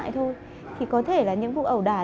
thì có thể là những vụ ẩu đả